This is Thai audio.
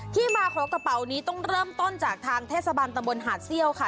ที่มาของกระเป๋านี้ต้องเริ่มต้นจากทางเทศบาลตะบนหาดเซี่ยวค่ะ